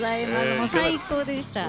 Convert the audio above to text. もう最高でした。